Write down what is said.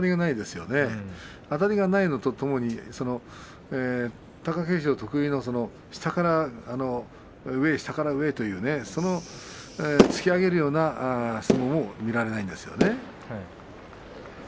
あたりがないのとともに貴景勝得意の下から上へ下から上へという突き上げるような相撲が見られていません。